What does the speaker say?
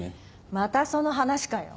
またその話かよ。